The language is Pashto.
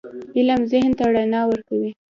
علم ذهن ته رڼا ورکوي.